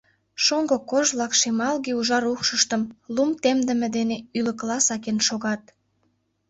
Шоҥго кож-влак шемалге-ужар укшыштым лум темдыме дене ӱлыкыла сакен шогат.